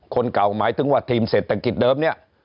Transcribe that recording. คนเก่าหมายถึงว่าทีมเศรษฐกิจเดิมเนี่ย